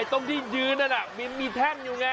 ตรงที่ยืนนั่นมีแท่งอยู่ไง